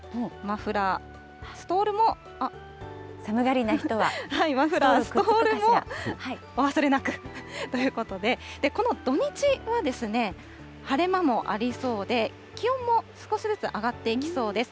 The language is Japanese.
マフラー、ストールもお忘れなくということで、この土日は晴れ間もありそうで、気温も少しずつ上がっていきそうです。